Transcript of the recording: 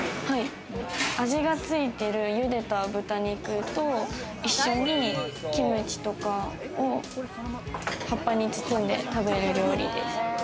味がついてる茹でた豚肉と一緒にキムチとかを葉っぱに包んで食べる料理です。